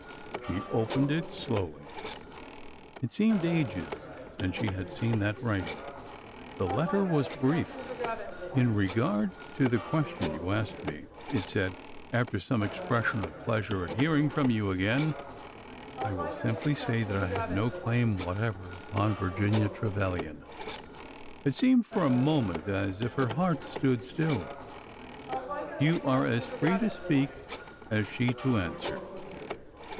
She opened it slowly. It seemed ages since she had | seen that writing. The letter was brief :■" In regard to the question you asked me," it said, after ; some expression of pleasure at hearing from him again, |" I will simply say that I have no claim whatever upon | Virginia Trevilian." (It seemed for a moment as if her 5 heart stood still.) " You are as free to speak as she to answer."